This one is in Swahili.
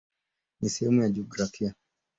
Ni sehemu ya jiografia.